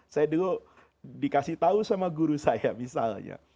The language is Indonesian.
saya dulu dikasih tahu sama guru saya misalnya